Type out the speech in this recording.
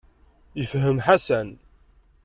Yefhem Ḥasan.